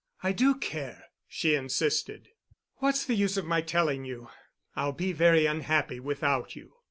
"I do care," she insisted. "What's the use of my telling you. I'll be very unhappy without you."